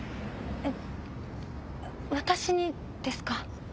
えっ私にですか？